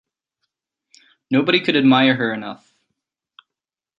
Nobody could admire her enough.